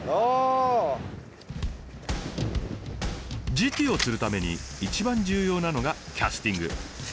ＧＴを釣るために一番重要なのがキャスティング。